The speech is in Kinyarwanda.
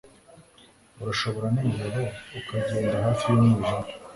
Urashobora nijoro ukagenda Hafi yumwijima